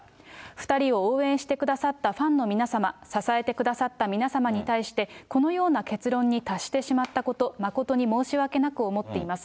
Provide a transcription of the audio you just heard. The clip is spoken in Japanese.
２人を応援してくださったファンの皆様、支えてくださった皆様に対して、このような結論に達してしまったこと、誠に申し訳なく思っています。